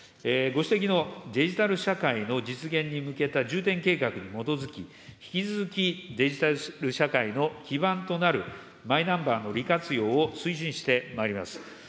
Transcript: ご指摘のデジタル社会の実現に向けた重点計画に基づき、引き続きデジタル社会の基盤となるマイナンバーの利活用を推進してまいります。